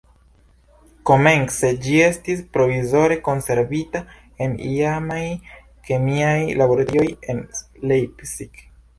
Komence ĝi estis provizore konservita en iamaj kemiaj laboratorioj en Leipzig.